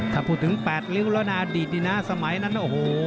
ถ้าพูดถึง๘ริ้วแล้วในอดีตนี่นะสมัยนั้นโอ้โห